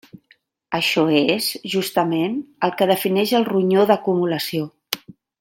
Això és, justament, el que defineix el ronyó d'acumulació.